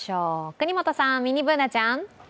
國本さん、ミニＢｏｏｎａちゃん。